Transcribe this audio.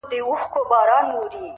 پرېميږده !! پرېميږده سزا ده د خداى!!